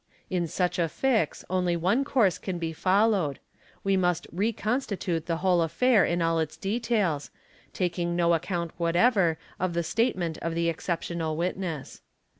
In such a fix only om course can be followed; we must '' reconstitute'' the whole affair in al its details, taking no account whatever of the statement of the exceptional witness.